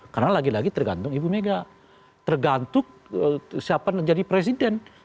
karena lagi lagi tergantung ibu mega tergantung siapa yang akan menjadi presiden